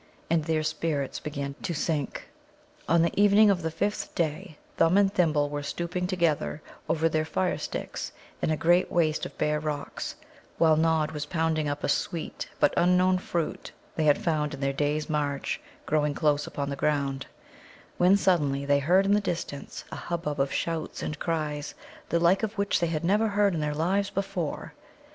And their spirits began to sink. On the evening of the fifth day Thumb and Thimble were stooping together over their fire sticks in a great waste of bare rocks, while Nod was pounding up a sweet but unknown fruit they had found in their day's march growing close upon the ground, when suddenly they heard in the distance a hubbub of shouts and cries the like of which they had never heard in their lives before.